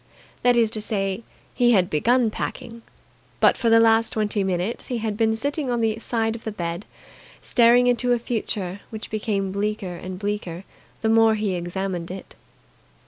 That is to say, he had begun packing; but for the last twenty minutes he had been sitting on the side of the bed, staring into a future which became bleaker and bleaker the more he examined it.